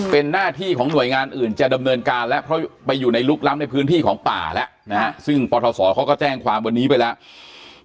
เป็นหน้าที่ของหน่วยงานอื่นจะดำเนินการแล้วเพราะไปอยู่ในลุกล้ำในพื้นที่ของป่าแล้วนะฮะซึ่งปทศเขาก็แจ้งความวันนี้ไปแล้ว